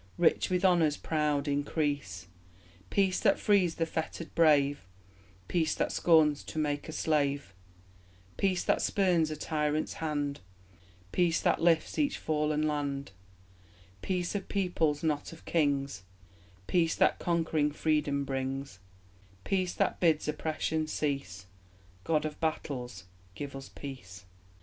Rich with honour's proud increase; Peace that frees the fettered brave; Peace that scorns to make a slave; Peace that spurns a tyrant's hand; Peace that lifts each fallen land; Peace of peoples, not of kings; Peace that conquering freedom brings; Peace that bids oppression cease; God of battles, give us peace!